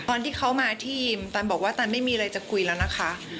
ตอนที่เขามาทีมตันบอกว่าตันไม่มีอะไรจะคุยแล้วนะคะ